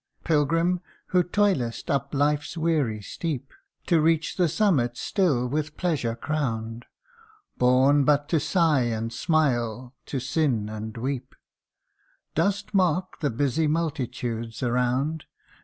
PILGRIM, who toilest up life's weary steep, To reach the summit still with pleasure crowned ; Born but to sigh and smile ; to sin and weep, Dost mark the busy multitudes around